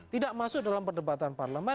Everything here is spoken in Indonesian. tidak masuk dalam perdebatan parlemen